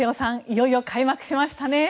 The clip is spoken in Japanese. いよいよ開幕しましたね。